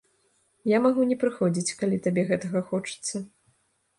Я магу не прыходзіць, калі табе гэтага хочацца.